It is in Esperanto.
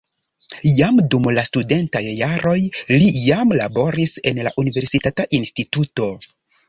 Jam dum la studentaj jaroj li jam laboris en la universitata instituto.